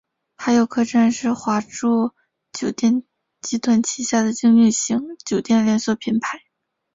海友客栈是华住酒店集团旗下的经济型酒店连锁品牌。